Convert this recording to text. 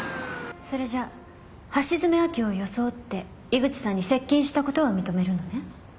それじゃ橋爪亜希を装って井口さんに接近したことは認めるのね？